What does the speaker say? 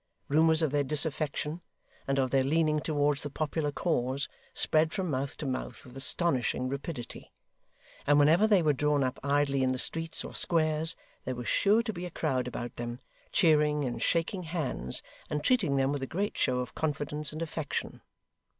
Rumours of their disaffection, and of their leaning towards the popular cause, spread from mouth to mouth with astonishing rapidity; and whenever they were drawn up idly in the streets or squares, there was sure to be a crowd about them, cheering and shaking hands, and treating them with a great show of confidence and affection.